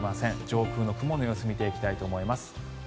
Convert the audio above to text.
上空の雲の様子見ていきたいと思います。